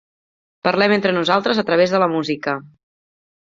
Parlem entre nosaltres a través de la música.